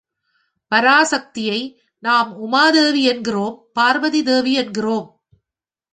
பராசக்தியை நாம் உமாதேவி என்கிறோம் பார்வதி தேவி என்கிறோம்.